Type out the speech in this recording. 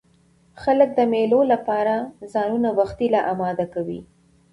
خلک د مېلو له پاره ځانونه وختي لا اماده کوي.